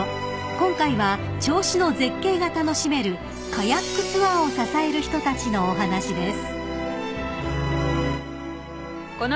［今回は銚子の絶景が楽しめるカヤックツアーを支える人たちのお話です］